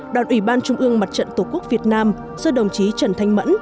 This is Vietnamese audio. đoàn ủy ban trung ương mặt trận tổ quốc việt nam do đồng chí trần thanh mẫn